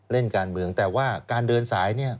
เล่นการเมืองแต่ว่าการเดินสายเนี่ย